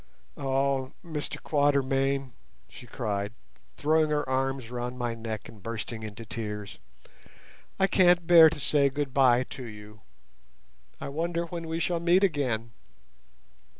"Oh, Mr Quatermain," she cried, throwing her arms round my neck and bursting into tears, "I can't bear to say goodbye to you. I wonder when we shall meet again?"